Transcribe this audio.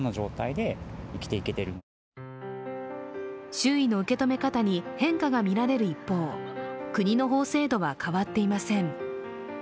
周囲の受け止め方に変化が見られる一方、国の法制度は変わっていません。